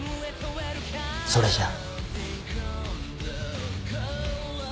それじゃあ。